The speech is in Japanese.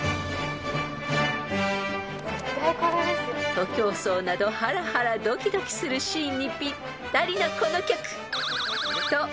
［徒競走などハラハラドキドキするシーンにぴったりのこの曲］